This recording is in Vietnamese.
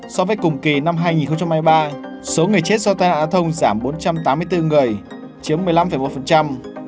so với cùng kỳ năm hai nghìn hai mươi ba số người chết do tai nạn thông giảm bốn trăm tám mươi bốn người chiếm một mươi năm một